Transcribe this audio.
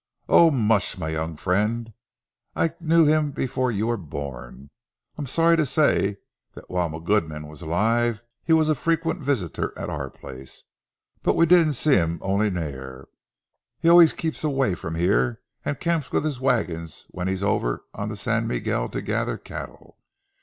"Ower much, ma young freend. I kent him afore ye were born. I'm sorry tae say that while ma gudeman was alive, he was a frequent visitor at oor place. But we dinna see him ony mair. He aye keeps awa' frae here, and camps wi' his wagons when he's ower on the San Miguel to gather cattle.